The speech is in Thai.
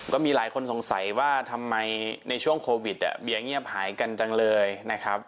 ก็มีหลายคนสงสัยว่าทำไมในช่วงโควิดเบียร์เงียบหายกันจังเลยนะครับ